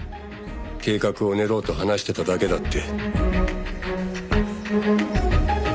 計画を練ろうと話してただけだって。